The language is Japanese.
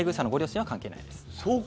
配偶者のご両親は関係ないです。